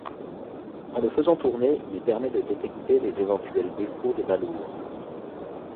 En le faisant tourner, il permet de détecter les éventuels défauts de balourd.